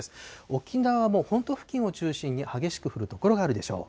沖縄も本島付近を中心に、激しく降る所があるでしょう。